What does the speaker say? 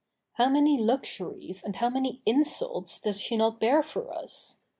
How many luxuries and how many insults does she not bear for us!